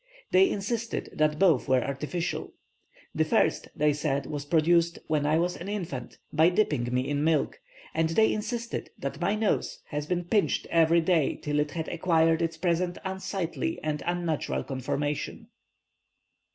They insisted that both were artificial. The first, they said, was produced, when I was an infant, by dipping me in milk, and they insisted that my nose had been pinched every day till it had acquired its present unsightly and unnatural conformation."